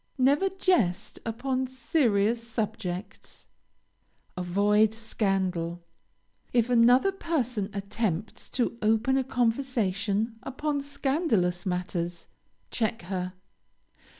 Never jest upon serious subjects. Avoid scandal. If another person attempts to open a conversation upon scandalous matters, check her.